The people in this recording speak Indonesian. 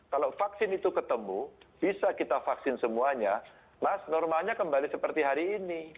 kalau vaksin itu ketemu bisa kita vaksin semuanya mas normalnya kembali seperti hari ini